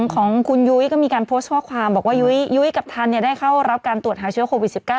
ของคุณยุ้ยก็มีการโพสต์ข้อความบอกว่ายุ้ยกับทันได้เข้ารับการตรวจหาเชื้อโควิด๑๙